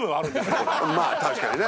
まあ確かにね。